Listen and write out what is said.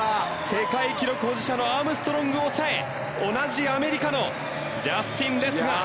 世界記録保持者のアームストロングを抑え同じアメリカのジャスティン・レスが。